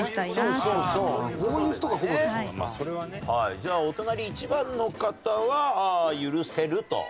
じゃあお隣１番の方は許せると。